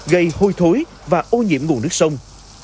gây hôi thối và ô nhiễm nguồn nước sông